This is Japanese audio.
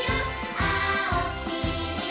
「あおきいろ」